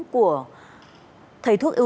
của thầy thuốc ưu tiên